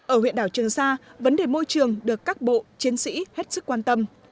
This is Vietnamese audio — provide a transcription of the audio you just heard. ở huyện đảo trường sa vấn đề môi trường được các bộ chiến sĩ hết sức quan tâm